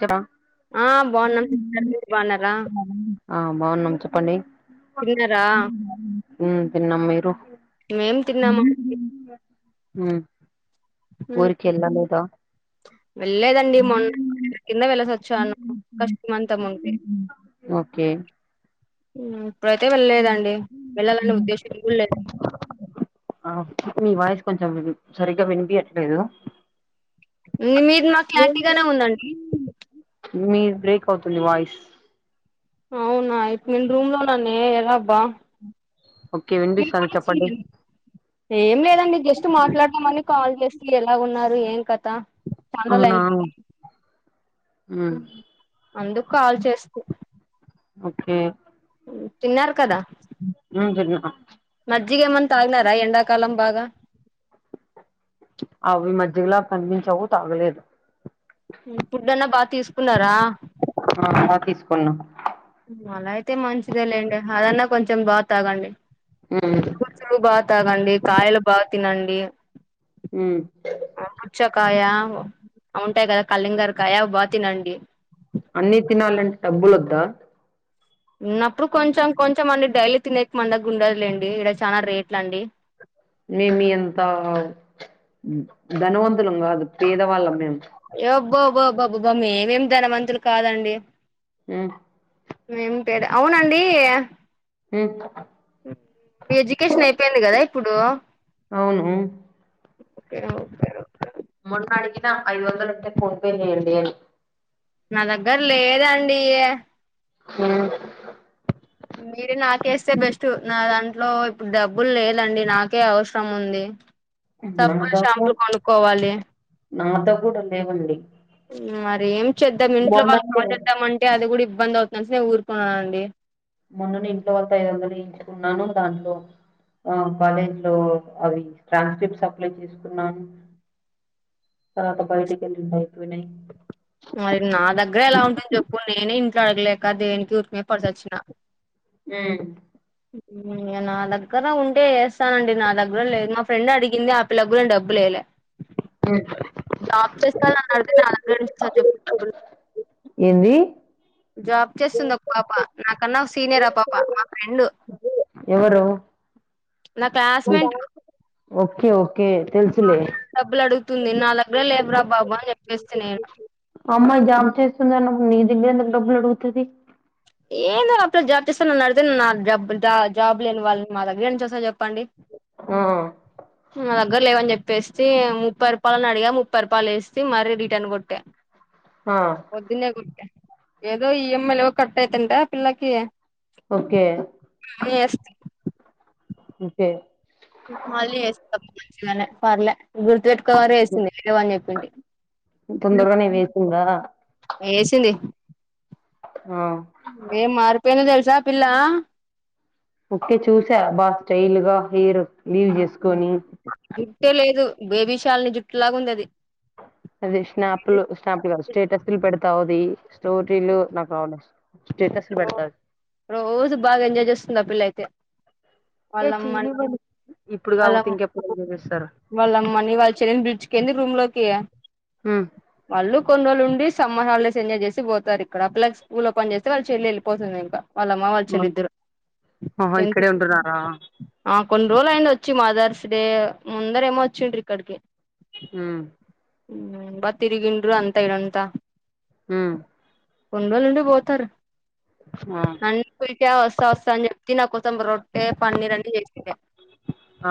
హ [inaudible] ఆ బాగున్నాం సిస్టర్ మీరు బాగున్నారా చెప్ప బాగున్నాం చెప్పండి తిన్నారా ఉ తన్నమ్మ మీరూ మేం తిన్నామా ఆ వెళ్ళలేదండి. మొన్న కింద వెలస వచ్చాను కష్టంమంత ఉంది. ఓకే ఉ ఇప్పుడైతే వెళ్ళలేదండి. వెళ్ళాలనే ఉద్దేశం లేదు. మీ వాయిస్ కొంచెం సరిగ్గా వినిపియట్లేదు. మీరు నాకు క్లారిటీగానే ఉందండి. మీ బ్రేక్ అవుతుంది వాయిస్ అవునాయి నేను రూమ్ లోనే ఎలాబ్బా ఓకే మీరు వినిపిస్తాంది కూడా చెప్పండి చూడి ఏం లేదండి జస్ట్ మాట్లాడదామని కాల్ చేసి ఎలా ఉన్నారు ఏం క చందలు అవునా ఉమ్ అందుకు కాల్ చేస్తూ ఓకే తిన్నారు కదా ఉ మజ్జిగమంత తాగినారా ఎండడా కలంబాగా అవును మధ్యలో కన్విన్స్ అవ్వు తగలేదు చెకున్నారా [unintelligible] [inaudible] అ అలా తీసుకున్నా అలా అయితే మంచిదే లేండి అదన్నా కొంచెం బాగా తాగండి ఉమ్ కూసులు బా తగండి కాయలు బా తినండి ఉమ్ పుచ్చకాయ ఉఔంట కద కళంగారుకాయ బాతినండి అన్ని తినాలింటే డబ్బులుద్దా ఉన్నప్పుడు కొంచెం కొంచెం ఇష్టమండి డైలీ తినక మడా గుండలుండి ఇక్కడ చాలా రేట్ల అండి మేమి ఎంత ధనవంతులం కాదు పేదవాళ్ళ మేము ఏ ఒబ్బోబ్బోబ్బబబ్బామేమేమి ధనవంతులు కాదండి ఊ ఏమింటేద అవునండి ఉమ్ మీ ఎడ్యుకేషన్ అయిపోయింది కదా ఇప్పుడు అవును ఉమ్, ఓకేరా ఓకేరా మొన్న అడిగిన ఐదువందలుంటే ఫోన్పే చేయండి అని నా దగ్గర లేదండి హ మీరు నాకేస్తే బెస్ట్ నా దాంట్లో ఇప్పుడు డబ్బులు లేదండి నాకే అవసరం ఉంది నామ [unintelligible] సబ్బులు ద షాంపులు కూడా కొనుక్కోవాలి నామద కూడా లేవండి [unintelligible] చేద్దం ఇంట్లో వాళ్ళు మొన్ననే కాల్ చేద్దామంటే అది కూడా ఇబ్బంది అవు మంచిదని ఊరుకున్నానండి మొన్నని ఇంట్లో వాళ్తోంఐదు వందలు ఎంచుకున్నాను దాంట్లో ఆ కాలేజీ లో అవి ట్రాన్స్క్రిప్ట్ అప్లై చేసుకున్నాను తర్వాత బయటికి వెళ్ళిండు అయిపోయినాయి మరి నా దగ్గర ఎలా ఉంటుంది చెప్పు నేనే తలగ లేెక దేనికి పేపర్స్ వచ్చిన ఉమ్, నా దగ్గర ఉంటే ఏస్తాండి నా దగ్గర లేదు మా ఫ్రెండ్ అడిగింది ఆ పిల్ల గూడ డబ్బులు ఎలే [unintelligible] జాబ్ చేస్తాను అని అడిగితే న అ సరె చెప్పు ఏంది జాబ్ చేస్తుంది ఒక్ పాప నాకన్నా సీనియర్ ఆ పాప మా ఫ్రెండ్ ఎవరు నా క్లాస్మేట్ ఓకె ఓకె తెలుసులే తుంది నా దగ్గర లేవురా బాబు అని చెప్పేస్తి నేను ఆ అమ్మాయి జాబ్ చేస్తుంది అన్నప్పుడు నీ దగ్గర ఎందుకు డబ్బులు అడుగుతుది ఏందో ఆ పిల్ల జాబ్ జేస్తు నన్న అడిగితే నా జబ్ జా జాబ్ లేని వాళ్ళ మా దగ్గరేంచి వస్తాయి చెప్పు ప్పండి ఆ నా దగ్గర లేవని జెప్ ప్పేస్తే ముప్పై రూపాయల్ అడిగా ముప్పై రూపాయల్ వేస్తీ మరి రిటర్న్ కొట్టా ఆ పొద్దునే కొట్టా ఏదో ఈ ఎం ఐ లో క అయితుంద పిల్లకి ఓకే వేస్తి అంతే మళ్లీ జేస్త మళ్ళ పర్లే గుర్తుపెట్టుకో కవర్ ఏస్తుంది ఏవని చెప్పింటి తొందరగానే వేసిందా వేసింది ఆ ఏం మారిపోయిందో తే జా పిల్లా ఒకె చూసా బ స్టైల్గా హెయిర్ లీవ్ చేసుకొని జుట్టే లేదు బేబీషాలని జుట్టులగా ఉంది అది అదే స్నాప్లు స్నాప్లు కాదు స్టేటస్లు పెడు సౌదీ స్టోరీలు నాకు రావాలే రోజు బాగా ఎంజాయ్ చేస్తుంది ఆ పిల్ల అయితే ఏ వాళ్ళమ్మ చేయనివ్వండి ఇప్పుడు కాకపోతే వాళ్ళమ్ ఇంకెప్పుడు ఎంజాయ్ చేస్తారు వాళ్ళమ్మని వాళ్ళ చెల్ని పిలుచుకెయింది రూమ్ లోకి ఉమ్ వాళ్ళు కొన్ని రోజులు ఉండి సమ్మర్ హాల్డేస్ ఎంజాయ్ చేసి పోతారు ఇక్కడ ఆ పిల్ల స్కూల్ ఓపన్ చేస్తే వాళు చెల్లి ఎళ్ళిపోతుంది ఇంక ఆహో టెన్త్ ఇక్కడే కి ఉంటున్నారా ఆ కొన్ని రోజులు అయింది వచ్చి మదర్స్ డే ముందర ఏమో వచ్చిండ్రి ఇక్కడికి హ్మ్ బా తిరిగిండ్రు అంత ఈడంత ఉమ్ కొన్నిరోజులు ఉండి పోతారు ఆ క వస్తా వస్తా అ అని చెప్ నా కోసం ట్టే పన్నీర్ అన్ని చేసిండా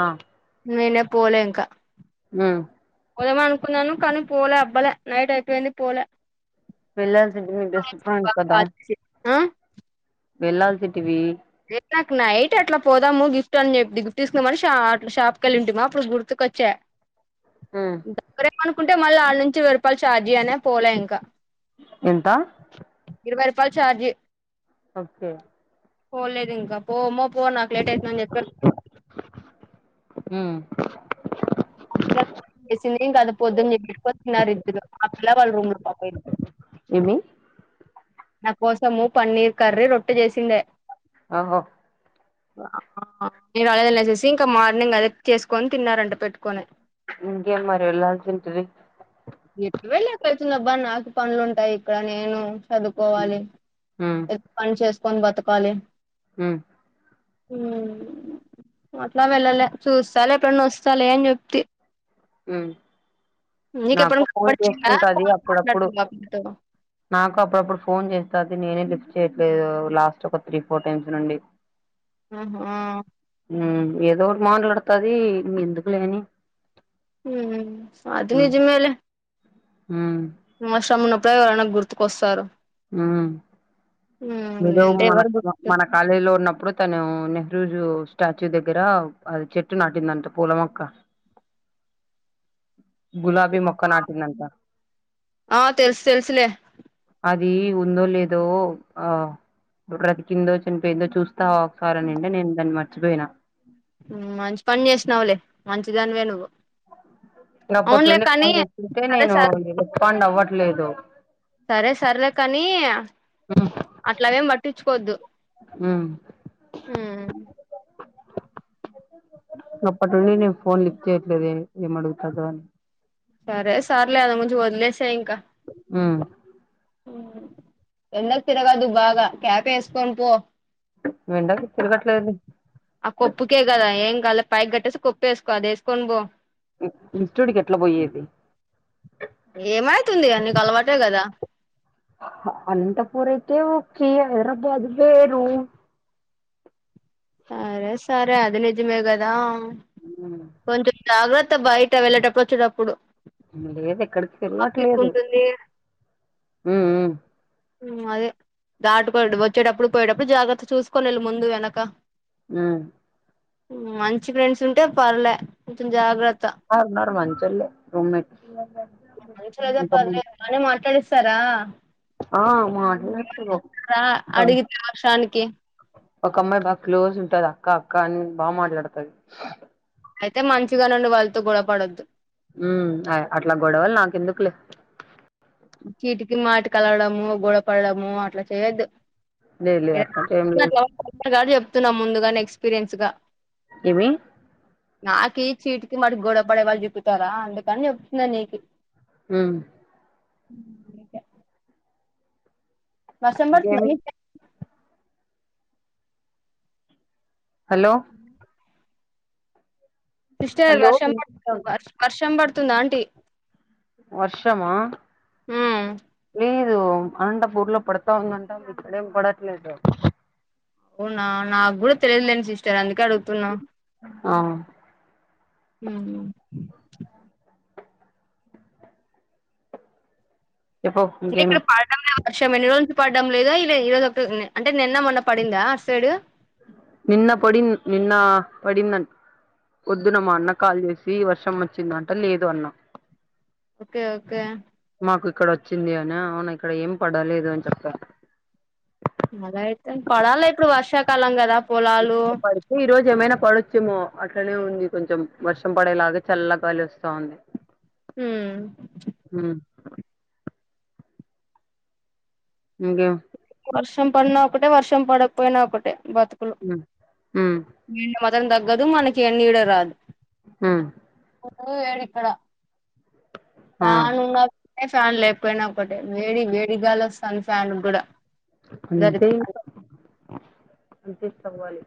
ఆ నేను పోలే ఇంక మ్మ్ పొదామ అనుకున్నాను కానీ పోలే అబ్బలే నైట్ అయిపోయింది పోలే వెళ్ళాల్సింది నీ బెస్ట్ ఫ్రెండ్ కదా ఆ వెళ్ళల్సింటివి లే నాకు నైట్ అట్లా పోదాము గిఫ్ట్ అని చెప్పి గిఫ్ట్ తీసుకున్నా మని ష అ షాప్కి వెళ్ళింటామ్మా అప్పుడు గుర్తుకొచ్చా ఉమ్ దగ్గ అనుకుంటే మళ్ళీ వాళ్ళ నుంచి వెయ్యిరుపాలు చార్జీ అనే పోలే ఇంకా ఎంత ప్పల్ చార్జీ ఓకే పోలేదు ఇంక పోమ ఫోనాకు లేట్ అవుతుందని చెప్ప హ్మ్ ఏం కాదు పోద్దున చె ప్ప తినారు ఇద్దరు ఆ పిల్ల వాళ్ళ రూములునోళ్ళు ఏమి నా కోసము పన్నీర్ కర్రీ రొట్టె చేసిందే ఆహో మీరు అదే తినేసేసి ఇంకా మార్నింగ్ అదే కుక్ చేసుకొని తిన్నారంట పెట్టుకొని ఇంకేం మరి ఎలా చెంటది చస్తున్నబ్బా నాకు పనులు ఉంటాయి ఇక్కడ నేను ఉమ్ చదువుకోవాలి పని చేస్త కొనీ బతకాలి ఉమ్ ఉమ్ అట్లా వెళ్ళలే చూస్తాలే ఎప్పుడనా వస్తాలే అని చెప్తి ఉమ్ నీకు నాకు ఎప్పుడన్నా ఫోన్ నొపోచ్చిందా చేస్తుంటది ఫోన్ అప్పుడప్పుడు మాట్లాడుతున్నప్పుడు నాకు అప్పుడప్పుడు ఫోన్ చేస్తది నేనే లిఫ్ట్ చేయట్లేదు లాస్ట్ ఒక త్రీ ఫోర్ టైమ్స్ నుండి ఉ హు ఉ ఏదో ఒకటి మాట్లాడుతది ఎందుకు లేని ఉ అది నిజమేలే ఉ అవసరం ఉన్నప్పుడే కదా ఎవరనా గుర్తుకొస్తారు ఊ నిలో లేదంటే మన ఎవరు గుర్తు మన కాలేజీ లో ఉన్నప్పుడు తను నెహ్రూ స్టాచ్యూ దగ్గర అది చెట్టు నాటిందంట పూలమొక్క గులాబీ మొక్క నాటిందంట ఆ తెలుసు తెలుసులే అది ఇది ఉందో లేదో ఆ అక్కడ కిందోచ్చిన పేర్లను చూస్తే తా కారం నిండా నేను దాన్ని మర్చి చ్చి పోయినా మంచి పని చేసినవలే మంచిదానివే నువ్వు నాప్పటి అవునులే నుండి కానీ ఫోన్ చేసుకుంటే సరే నేను సర్ రెస్పాండ్ అవ్వట్ లేదు సరే సర్లే కాని అట్లావేం పట్టించుకోవద్దు ఉ ఊ నప్పటినుండి నేను ఫోన్ లిఫ్ట్ చేయట్లేదు ఏమి ఏం అడుగుతారు ఏమో అని సరే సార్లే అది ముంచి వొదిలేసేయ్ సయింకా ఊ ఎండకు తిరగద్దు బాగా క్యాప్ ఏసుకొని పో ఎండకి తిరగట్లేదు ఆ కొప్పుకే కదా ఏంగ్ కళ్ళ పైకి కట్టేసి కొప్పు వేసుకో అది ఏస్కోని పో ఇన్స్టిట్యూట్ క ఎట్లా పోయేది ఏమైతుంది అ నీకు అలవాటే కదా అనంతపూర్ అయితే ఒకి హైదరాబాద్ వేరు అరే సరే అది నిజమేగదా కొంచం జాగ్రత్త బయట వెళ్ళేటప్పుడు వచ్చేటప్పుడు లేదు ఎక్కడికి ట్రాఫిక్ వెళ్ళట్లేదు ఉంటుంది హ్మ్ అదే దాటుకో వచ్చేటప్పుడు పోయేటప్పుడు జాగ్రత్త చూసుకోని వెళ్ళు ముందు వెనక హ్మ్ మంచి ఫ్రెండ్స్ ఉంటే పర్లే కొంచెం జాగ్రత్త ఉన్నారు ఉన్నారు మంచోలే రూమ్ట్ సార మాట్లాడతారు అడిగి వర్షానికి ఒక అమ్మాయి బాగా క్లోజ్ ఉంటది అక్క అక్క అని బాగా మాట్లాడతది అయితే మంచిగా నుండి వాళ్ళతో గొడపడొద్దు ఉ అట్లా గొడవలు నాకెందుకులే చీటికి మాటకి అలగడం గోడపడము అట్లా చేయొద్దు లేదు లేదు య అట్లాంటి ఏం లేదు [inaudible] చెప్తున్న ముందుగాని ఎక్స్పీరియన్స్ గా ఏమి నాకి చీటికి మటికి గొడవ పడే వాళ్ళు చీకుతారా అందుకని చెప్తున్న నీకి హ్మ్ అకా వర్షం పడుతుందా ఇంకేమి మీకీ హలో సిస్టర్ హలో వర్షం పడుతుంది వినిపిస్తా వర్షం పడు తుంద ఆంటీ వర్షమా హ్మ్ లేదు అనంతపూర్ లో పడతా ఉందంటా ఇక్కడేం పడట్లేదు అవునా నా కూడా తెలియదలేే సీస్ తనందు [unintelligible] అడుగుతున్నా ఆ హ్మ్ చెప్పు ఇంకేమి ఇక్కడ పడటం లెవ్ వర్షం ఎన్ని రోజు పడడం లేదా ఇ ఈ రోజు ఒకటి అంటే నిన్న మొన్న పడిందా అటు సైడు నిన్న పడి నిన్న పడిందన్ పొద్దున్న మా అన్న కాల్ చేసి పి వర్షం వచ్చిందంటే లేదు అన్నాం ఒకే ఒకే మాకు ఇక్కడ వచ్చింది అని అవునా ఇక్కడ ఏం పడలేదు అని చెప్పారు అలా అయితే పడాలా ఇప్పుడు వర్షాకాలం కదా పొలాలు పడుతు ఈ రోజ ఏమైనా పడు కొంచెము అట్లనే ఉంది కొంచెం వర్షం పడేలాగా చల్ల గాలి వస్తా ఉంది ఊ ఉమ్ ఇంకా వర్షం పడినా ఒకటే వర్షం పడపోయినా ఒకటే బతుకులు ఉమ్ ఉమ్ మీ వ అ [unintelligible] తగ్గదు మనకి ఎన్నిడ రాదు ఆ ఊ ఏడిక్కడా తా ఆ ను ఫ్యాన్ లేకపోయినా ఒకటే వేడి వేడిగాలి వస్తాంది ఫ్యాన్ కి కూడా అంతే ఇంక దరిద్రం అంత తీస్క పోవాలి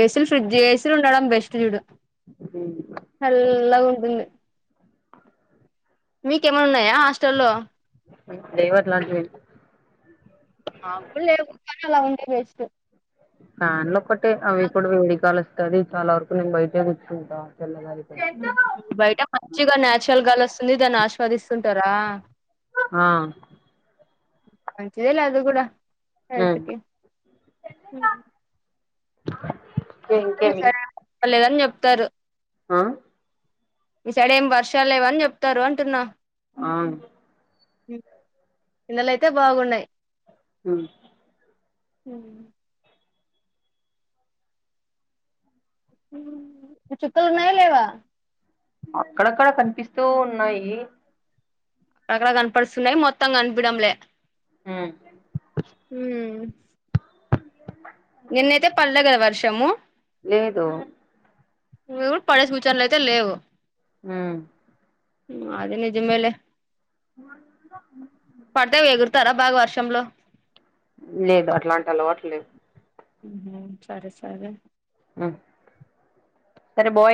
ఏసీలు ఫ్రిడ్జ్ ఏసీలు ఉండడం బెస్ట్ చూడు ఉమ్ చల్లగా ఉంటుంది మీ కేమ ఉన్నాయా ఆ హాస్టల్ లో దైవాట్లాంటి మాకు లేవు మాకు అలా ఉంటే బేస్ట్ ఫ్యాన్లు ఒక్కటే అవి కూడా వేడి గాలి వస్తాది చాలా వరకు నేను బయట కూర్చుంటా చల్లగాలి బయట మంచిగా నానేచురల్ గాలి వస్తుంది దాన్ని ఆస్వాదిస్తుం ఇస్తార ఆ మంచిదేలే అది కూడా హెల్త్ ఉమ్ కి ఇంకేమి పనిలేదని చెప్తారు ఆ ఈసారి ఏమి వర్షాలు లేవు అని చెప్తారు అంటున్నా ఆ కిన్నలయితే బాగున్నాయి ఊ మ్ హ చుక్కలు ఉన్నయా లేవా అక్కడక్కడ కనిపిస్తూ ఉన్నాయి అక్కక్కడ కనపడుస్తున్నాయి మొత్తం కనిపీయడం లె ఉమ్ మ్ నిన్నైతే పల్గలవ షము లేదు మ్ పడే సూచనలు అయితే లేవు ఊ అది నిజమేలే మ తరా బాగా వర్షంలో లేదు అట్లాంటి అలవాట్లు లెవ్ ఊహు సరే సరే మ్ సరే బాయ్